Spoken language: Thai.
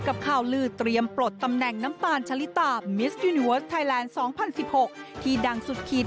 กับข่าวลืดเตรียมปลดตำแหน่งน้ำตาลฉลิตามิสต์ยูนิวอร์สไทยแลนด์สองพันสิบหกที่ดังสุดขีด